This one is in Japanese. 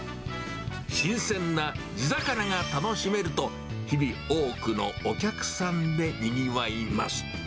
新鮮な地魚が楽しめると、日々多くのお客さんでにぎわいます。